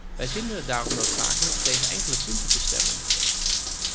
Wij vinden het daarom noodzakelijk tegen enkele punten te stemmen.